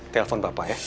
telepon papa ya